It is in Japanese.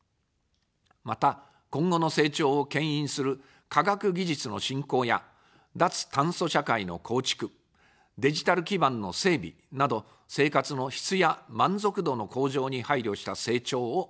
また、今後の成長をけん引する科学技術の振興や脱炭素社会の構築、デジタル基盤の整備など、生活の質や満足度の向上に配慮した成長をめざします。